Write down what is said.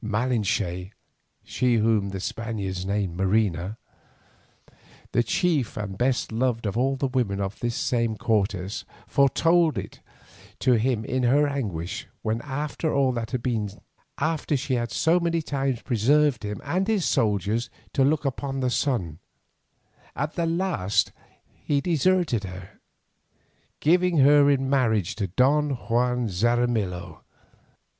Malinche, she whom the Spaniards named Marina, the chief and best beloved of all the women of this same Cortes, foretold it to him in her anguish when after all that had been, after she had so many times preserved him and his soldiers to look upon the sun, at the last he deserted her, giving her in marriage to Don Juan Xaramillo.